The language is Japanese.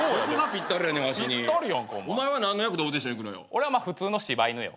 俺は普通の柴犬よ。